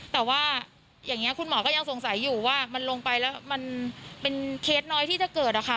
แต่ว่าอย่างนี้คุณหมอก็ยังสงสัยอยู่ว่ามันลงไปแล้วมันเป็นเคสน้อยที่จะเกิดอะค่ะ